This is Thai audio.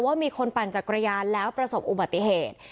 ว่ามีคนปั่นจักรยานแล้วประสบอุบัติเหตุ